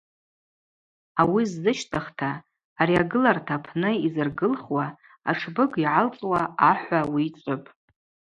Ауи ззыщтӏыхта ари агыларта апны йзыргылхуа атшбыг йгӏалцӏуа ахӏва ауи йчӏвыпӏ.